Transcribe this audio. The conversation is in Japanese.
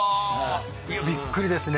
いやびっくりですね。